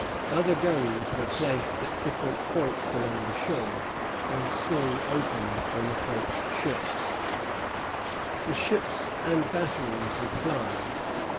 Other guns were placed at different points along the shore, and soon opened on the French ships. The ships and batteries replied.